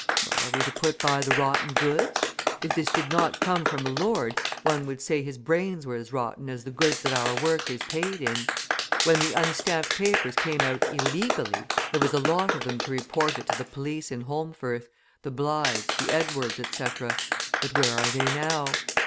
Well, are we to put by the rotten goods? If this did not come from a lord, one would say his brains were as rotten as the goods that our work is paid in. When the unstamped papers came out "illegally," there was a lot of them to report it to the police in Holmfirth, the Blythes, the Edwards, etc.; but where are they now?